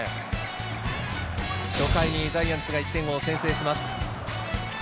初回にジャイアンツが１点を先制します。